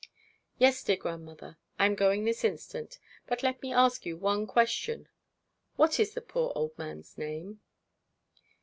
'Yes, dear grandmother, I am going this instant. But let me ask one question: What is the poor old man's name?'